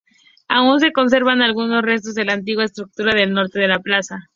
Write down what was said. Aún se conservan algunos restos de la antigua estructura al norte de la plaza.